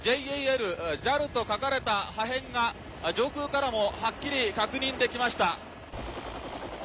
「ＪＡＬＪＡＬと書かれた破片が上空からもはっきり確認できました」。